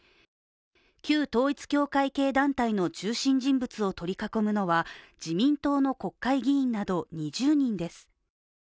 旧統一教会系団体の中心人物を取り囲むのは自民党の国会議員など２０人です。